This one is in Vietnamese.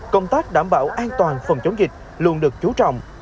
công tác đảm bảo an toàn phòng chống dịch luôn được chú trọng